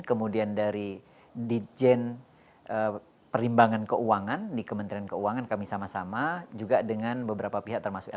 kemudian dari ditjen perimbangan keuangan di kementerian keuangan kami sama sama juga dengan beberapa pihak termasuk lp